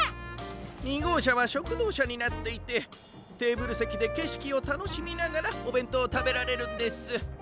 ２ごうしゃはしょくどうしゃになっていてテーブルせきでけしきをたのしみながらおべんとうをたべられるんです。